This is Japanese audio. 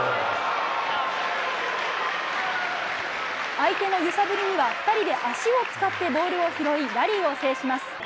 相手の揺さぶりには２人で足を使ってボールを拾いラリーを制します。